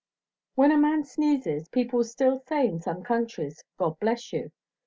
When a man sneezes, people still say in some countries, "God bless you."